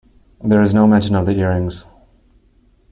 There is no mention of the earrings.